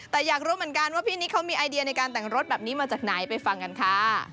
แต่อยากรู้เหมือนกันว่าพี่นิกเขามีไอเดียในการแต่งรถแบบนี้มาจากไหนไปฟังกันค่ะ